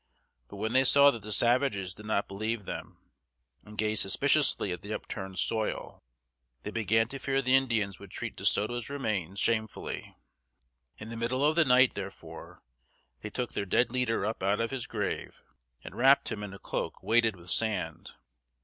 But when they saw that the savages did not believe them, and gazed suspiciously at the upturned soil, they began to fear the Indians would treat De Soto's remains shamefully. [Illustration: De Soto's First View of the Mississippi.] In the middle of the night, therefore, they took their dead leader up out of his grave, and wrapped him in a cloak weighted with sand.